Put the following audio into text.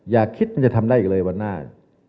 อย่าคิดมันจะทำได้อีกเลยวันหน้า